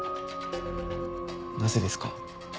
なぜですか？